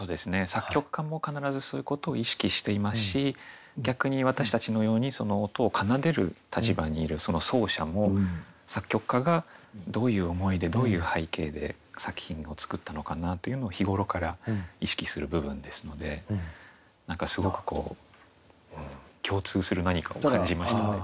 作曲家も必ずそういうことを意識していますし逆に私たちのように音を奏でる立場にいる奏者も作曲家がどういう思いでどういう背景で作品を作ったのかなっていうのを日頃から意識する部分ですので何かすごく共通する何かを感じましたね。